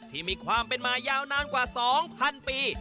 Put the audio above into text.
ที่มีความเป็นมายาวนานกว่า๒๐๐๐ปี